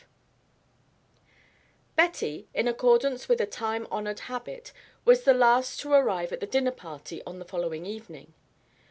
V Betty, in accordance with a time honoured habit, was the last to arrive at the dinner party on the following evening.